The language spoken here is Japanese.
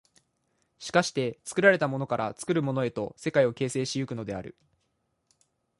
しかして作られたものから作るものへと世界を形成し行くのである。